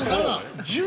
◆１０？